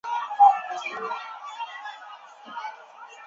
黑天竺鱼为天竺鲷科天竺鱼属的鱼类。